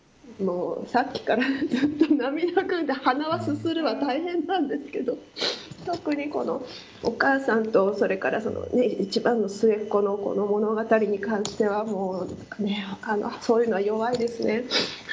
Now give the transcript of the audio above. さっきから、ちょっと涙ぐんで鼻はすするは、大変なんですけど特に、お母さんとそれから一番の末っ子の物語に関してはそういうのは弱いですね。